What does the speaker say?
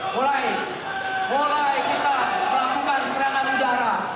mulai mulai kita melakukan serangan udara